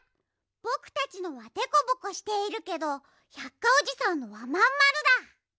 ぼくたちのはでこぼこしているけど百科おじさんのはまんまるだ！